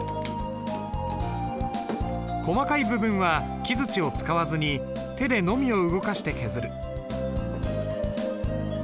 細かい部分は木づちを使わずに手でのみを動かして削る。